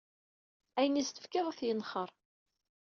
Ayen i as-d-tefkiḍ ad t-yenxer.